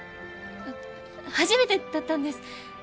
あっ初めてだったんです。